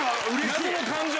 謎の感情。